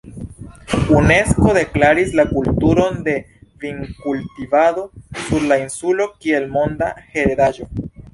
Unesko deklaris la kulturon de vinkultivado sur la insulo kiel monda heredaĵo.